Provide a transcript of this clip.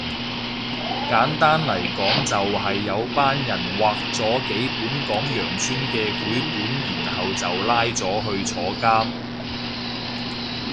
簡單嚟講就係有班人畫咗幾本講羊村嘅繪本然後就拉咗去坐監